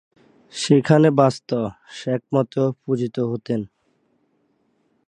সেখানে বাস্ত/সেখমেতও পূজিত হতেন।